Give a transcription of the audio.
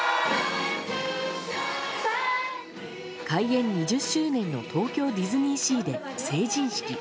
開園２０周年の東京ディズニーシーで成人式。